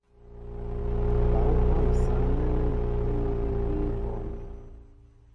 Ba ú hɔ̂ isǎ nɛ́nɛ́ ni kwɛ́n ígi í bíí bɔɔnɛ́.